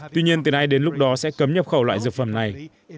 tuy nhiên từ nay đến lúc đó sẽ cấm nhập khẩu loại dược phẩm này